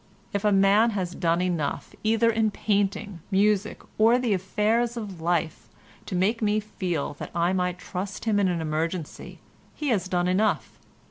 If a man has done enough either in painting, music or the affairs of life, to make me feel that I might trust him in an emergency he has done enough.